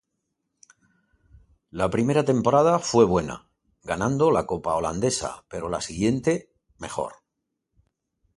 La primera temporada fue buena, ganando la Copa holandesa, pero la siguiente, mejor.